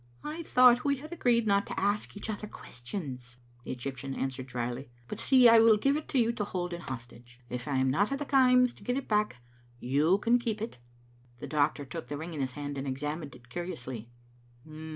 " I thought we had agreed not to ask each other ques tions," the Egyptian answered drily. " But, see, I will give it to you to hold in hostage. If I am not at the Kaims to get it back you can keep it. " The doctor took the ring in his hand and examined it curiously.